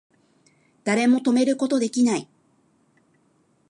誰も止めること出来ない